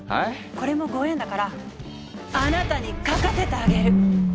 これもご縁だからあなたに描かせてあげる。